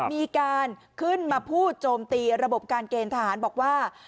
มีการขึ้นมาพูดโจมตีระบบการเกณฑ์ทหารบอกว่า